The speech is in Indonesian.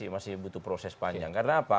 masih butuh proses panjang